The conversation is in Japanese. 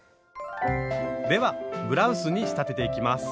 ではブラウスに仕立てていきます。